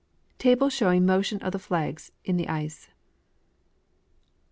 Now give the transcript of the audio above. * Table showing Motion of the Flags in the Ice.